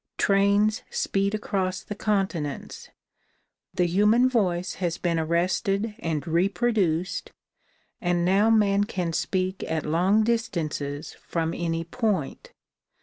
Trains speed across the continents. The human voice has been arrested and reproduced and now man can speak at long distances from any point.